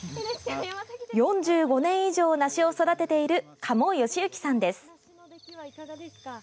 ４５年以上梨を育てている加茂善幸さんです。